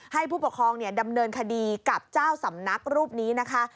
ให้ผู้ปกครองดำเนินคดีกับเจ้าสำนักรูปนี้นะคะ